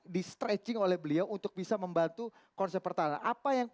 distretching oleh beliau untuk bisa membantu konsep pertahanan